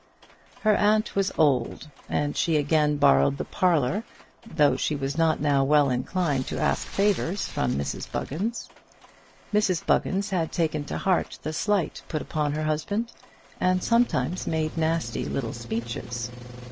Her aunt was old, and she again borrowed the parlour, though she was not now well inclined to ask favours from Mrs Buggins. Mrs Buggins had taken to heart the slight put upon her husband, and sometimes made nasty little speeches.